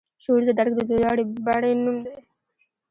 شعور د درک د لوړې بڼې نوم دی.